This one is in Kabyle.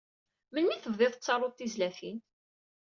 Melmi tebdiḍ tettaruḍ tizlatin?